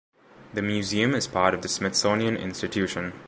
The museum is part of the Smithsonian Institution.